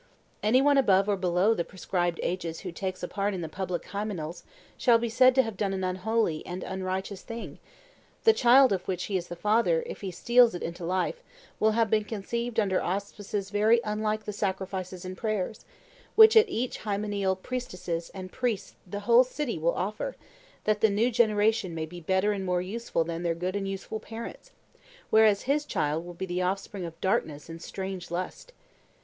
Any one above or below the prescribed ages who takes part in the public hymeneals shall be said to have done an unholy and unrighteous thing; the child of which he is the father, if it steals into life, will have been conceived under auspices very unlike the sacrifices and prayers, which at each hymeneal priestesses and priest and the whole city will offer, that the new generation may be better and more useful than their good and useful parents, whereas his child will be the offspring of darkness and strange lust.